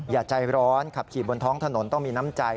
อย่าใจร้อนขับขี่บนท้องถนนต้องมีน้ำใจ